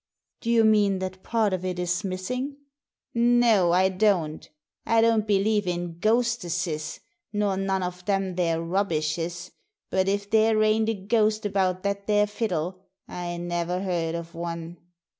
" Do you mean that part of it is missing ?" "No, I don't I don't believe in ghostesses, nor none of them there rubbishes, but if there ain't a ghost about that there fiddle, I never heard of one."